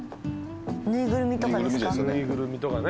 縫いぐるみとかですか？